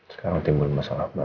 sekarang timbul masalah berikutnya